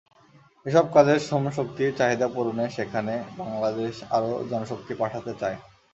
এসব কাজের শ্রমশক্তির চাহিদা পূরণে সেখানে বাংলাদেশ আরও জনশক্তি পাঠাতে চায়।